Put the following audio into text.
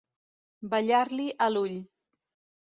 Ballar-li a l'ull.